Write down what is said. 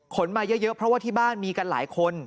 มาเยอะเพราะว่าที่บ้านมีกันหลายคน